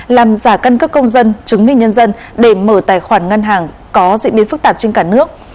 làm giả căn cước công dân chứng minh nhân dân để mở tài khoản ngân hàng có diễn biến phức tạp trên cả nước